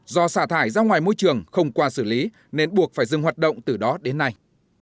do xả thải ra ngoài môi trường không qua xử lý nên buộc phải dừng hoạt động từ đó đến nay